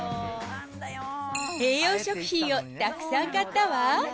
栄養食品をたくさん買ったわ。